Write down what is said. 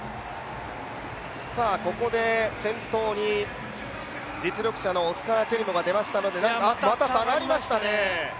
ここで先頭に実力者のオスカー・チェリモが出ましたのでまた下がりましたね。